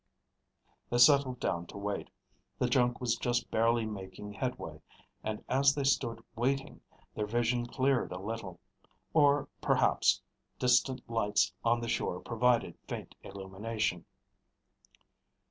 They settled down to wait. The junk was just barely making headway, and as they stood waiting, their vision cleared a little. Or perhaps distant lights on the shore provided faint illumination.